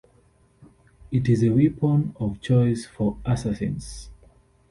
It is a weapon of choice for assassins.